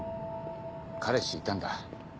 彼氏いたんだ。